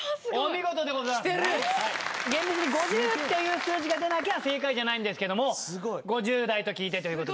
厳密に５０っていう数字が出なきゃ正解じゃないんですけども５０代と聞いてということで。